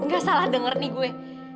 gak salah denger nih gue